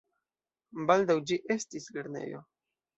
Baldaŭ ĝi estis lernejo.